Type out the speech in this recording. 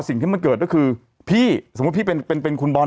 สิ่งที่มันเกิดก็คือพี่สมมุติพี่เป็นเป็นคุณบอล